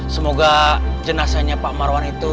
semoga jenazahnya pak marwan itu